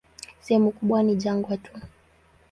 Sehemu kubwa ni jangwa tu.